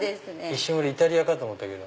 一瞬イタリアかと思ったけど。